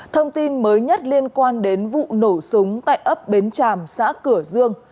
thông tin mới nhất liên quan đến vụ nổ súng tại ấp bến tràm xã cửa dương